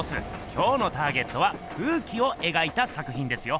今日のターゲットは空気を描いた作ひんですよ。